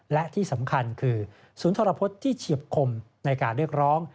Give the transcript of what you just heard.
และที่สำคัญคือศูนย์ทรพฤษที่เฉียบคมในการเรียกร้อง